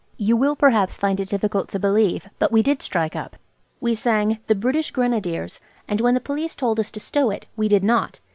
You will perhaps find it difficult to believe, but we did strike up. We sang "The British Grenadiers," and when the Police told us to stow it we did not.